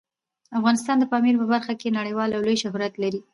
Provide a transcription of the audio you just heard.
افغانستان د پامیر په برخه کې نړیوال او لوی شهرت لري.